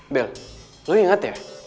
bel lo inget ya